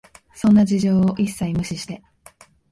そんな事情を一切無視して、